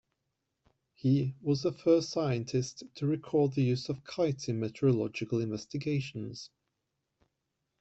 He was the first scientist to record the use of kites in meteorological investigations.